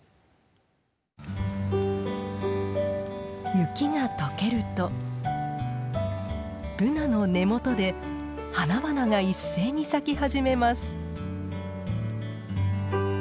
雪が解けるとブナの根元で花々が一斉に咲き始めます。